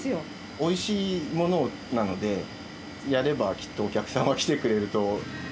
おいしいものなので、やればきっとお客さんは来てくれると。